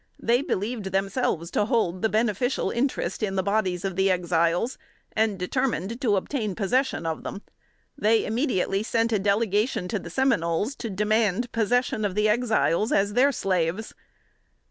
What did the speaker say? They believed themselves to hold the beneficial interest in the bodies of the Exiles, and determined to obtain possession of them. They immediately sent a delegation to the Seminoles to demand possession of the Exiles as their slaves.